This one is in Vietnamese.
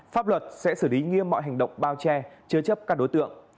pháp luật sẽ xử lý nghiêm mọi hành động bao che chứa chấp các đối tượng